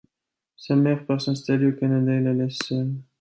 Sa mère part s’installer au Canada et la laisse seule.